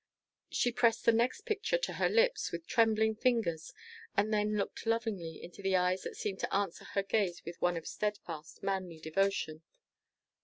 She pressed the next picture to her lips with trembling fingers, and then looked lovingly into the eyes that seemed to answer her gaze with one of steadfast, manly devotion.